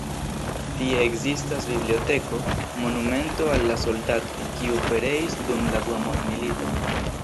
Tie ekzistas biblioteko, monumento al la soldatoj, kiuj pereis dum la Dua Mondmilito.